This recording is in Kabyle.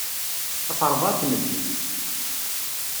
Ɣef rrebεa n tmeddit.